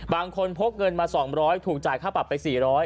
พกเงินมา๒๐๐ถูกจ่ายค่าปรับไป๔๐๐